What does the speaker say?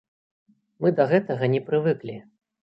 Мы да гэтага не прывыклі.